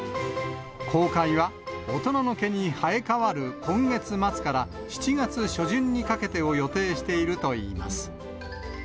公開は大人の毛に生え変わる今月末から７月初旬にかけてを予定しているといいます。